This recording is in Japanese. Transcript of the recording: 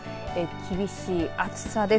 厳しい暑さです。